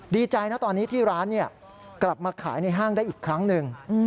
ดีใจนะตอนนี้ที่ร้านกลับมาขายในห้างได้อีกครั้งหนึ่ง